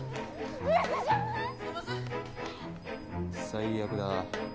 最悪だ。